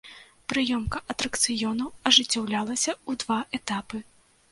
Прыёмка атракцыёнаў ажыццяўлялася ў два этапы.